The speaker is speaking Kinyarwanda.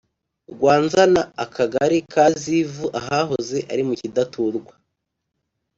Rwanzana Akagari ka Zivu ahahoze ari mu cyidaturwa